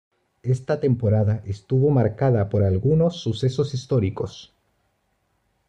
Esta temporada estuvo marcada por algunos sucesos históricos.